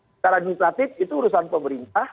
secara administratif itu urusan pemerintah